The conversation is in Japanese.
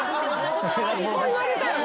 もう言われたよね？